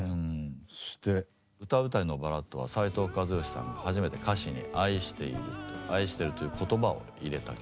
そして「歌うたいのバラッド」は斉藤和義さんが初めて歌詞に愛していると「愛してる」という言葉を入れた曲。